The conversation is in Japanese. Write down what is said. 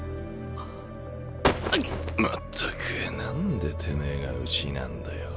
全く何でてめえがうちなんだよ？